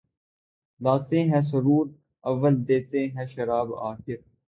لاتے ہیں سرور اول دیتے ہیں شراب آخر